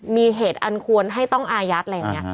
มีเหตุอันควรให้ต้องอายัดอะไรอย่างนี้